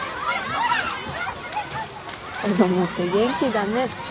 子供って元気だね。